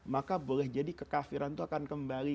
maka boleh jadi kekafiran itu akan kembali